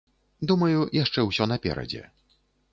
Думаю, яшчэ ўсё наперадзе.